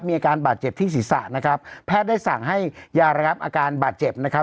มีอาการบาดเจ็บที่ศีรษะนะครับแพทย์ได้สั่งให้ยาระงับอาการบาดเจ็บนะครับ